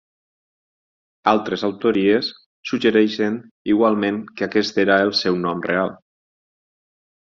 Altres autories suggereixen igualment que aquest era el seu nom real.